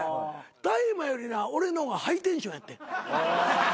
大麻よりな俺の方がハイテンションやってん。